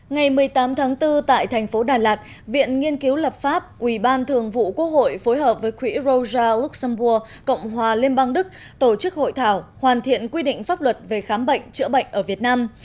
ngày một mươi tám tháng bốn tại thành phố đà lạt viện nghiên cứu lập pháp ubthqh phối hợp với quỹ roja luxembourg cộng hòa liên bang đức tổ chức hội thảo hoàn thiện quy định pháp luật về khám bệnh chữa bệnh ở việt nam